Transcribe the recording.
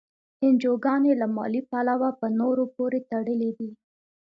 انجوګانې له مالي پلوه په نورو پورې تړلي دي.